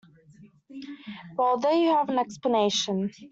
Well, there you have the explanation.